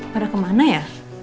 pada kemana ya